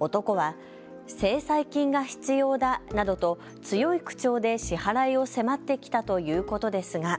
男は、制裁金が必要だなどと強い口調で支払いを迫ってきたということですが。